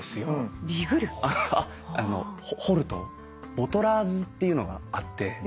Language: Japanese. ボトラーズっていうのがあって。